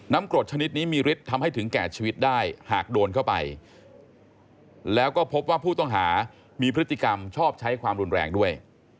กรดชนิดนี้มีฤทธิ์ทำให้ถึงแก่ชีวิตได้หากโดนเข้าไปแล้วก็พบว่าผู้ต้องหามีพฤติกรรมชอบใช้ความรุนแรงด้วย